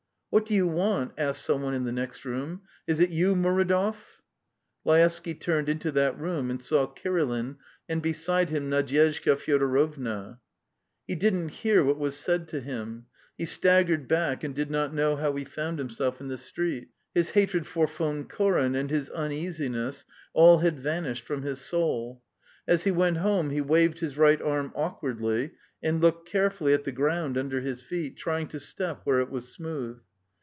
"What do you want?" asked some one in the next room. "Is it you, Muridov?" Laevsky turned into that room and saw Kirilin, and beside him Nadyezhda Fyodorovna. He didn't hear what was said to him; he staggered back, and did not know how he found himself in the street. His hatred for Von Koren and his uneasiness all had vanished from his soul. As he went home he waved his right arm awkwardly and looked carefully at the ground under his feet, trying to step where it was smooth.